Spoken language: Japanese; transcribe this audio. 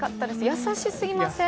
優しすぎません？